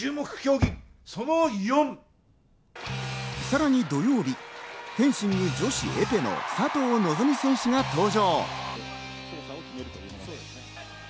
さらに土曜日、フェンシング女子エペの佐藤希望選手が登場。